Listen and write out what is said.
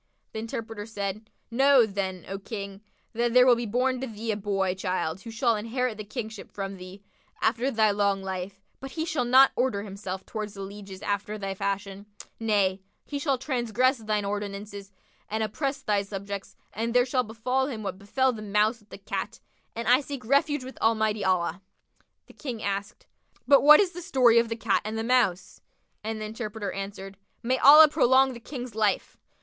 The interpreter said, "Know then, O King, that there will be born to thee a boy child who shall inherit the Kingship from thee, after thy long life; but he shall not order himself towards the lieges after thy fashion; nay, he shall transgress thine ordinances and oppress thy subjects, and there shall befal him what befel the Mouse with the Cat[FN#60]; and I seek refuge with Almighty Allah[FN#61]!" The King asked, "But what is the story of the Cat and the Mouse?"; and the interpreter answered "May Allah prolong the King's life!